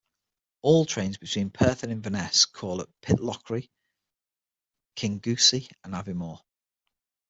All trains between Perth and Inverness call at Pitlochry, Kingussie and Aviemore.